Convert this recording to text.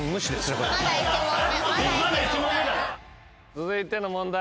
続いての問題